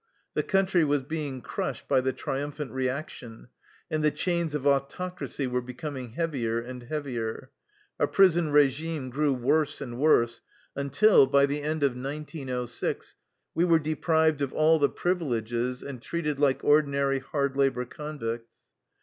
The country was being crushed by the triumphant reaction, and the chains of autoc racy were becoming heavier and heavier. Our prison regime grew worse and worse, until, by the end of 1906, we were deprived of all the privileges and treated like ordinary hard labor convicts.